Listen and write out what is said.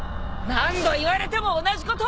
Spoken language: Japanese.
何度言われても同じこと！